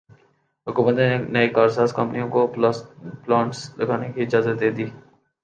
حکومت نے نئی کارساز کمپنیوں کو پلانٹس لگانے کی اجازت دیدی